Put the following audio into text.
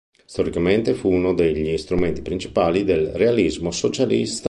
Storicamente fu uno degli strumenti principali del realismo socialista.